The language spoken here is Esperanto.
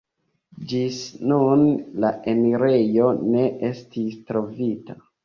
Ĝis nun la enirejo ne estis trovita.